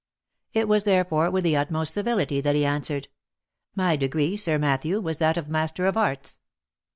It was, therefore, with the utmost civility that he answered, " My degree, Sir Matthew, was that of Master of Arts."